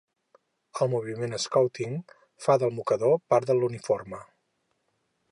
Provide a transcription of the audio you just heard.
El moviment Scouting fa del mocador part del uniforme.